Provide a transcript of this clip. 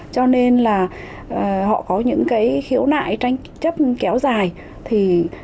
cho nên là họ có những khiếu nại tranh chấp kéo dài